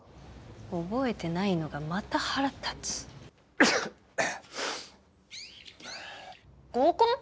覚えてないのがまた腹立つ。合コン？